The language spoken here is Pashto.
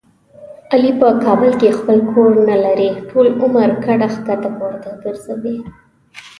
علي په کابل کې خپل کور نه لري. ټول عمر کډه ښکته پورته ګرځوي.